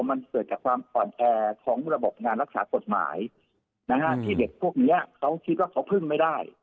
มันเกิดจากความอ่อนแอของระบบงานรักษากฎหมายที่เด็กพวกนี้เขาคิดว่าเขาพึ่งไม่ได้